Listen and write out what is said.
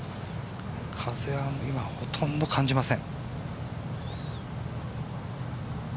風は今、ほとんど感じません